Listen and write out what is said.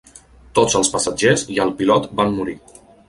Tots els passatgers i el pilot van morir.